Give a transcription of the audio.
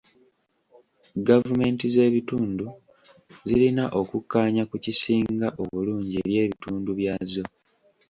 Gavumenti z'ebitundu zirina okukkaanya ku kisinga obulungi eri ebitundu byazo.